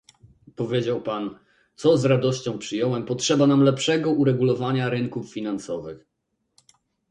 Powiedział pan - co z radością przyjąłem - "Potrzeba nam lepszego uregulowania rynków finansowych"